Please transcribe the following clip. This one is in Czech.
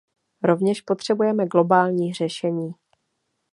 Rovněž potřebujeme globální řešení.